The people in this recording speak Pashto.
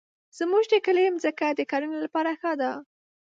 زمونږ د کلي مځکه د کرنې لپاره ښه ده.